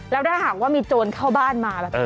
แล้วถ้าหากว่ามีโจรเข้าบ้านมา